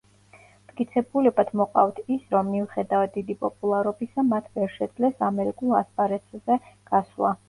მტკიცებულებად მოყავთ ის, რომ მიუხედავად დიდი პოპულარობისა მათ ვერ შეძლეს ამერიკულ ასპარესზე გასვლა.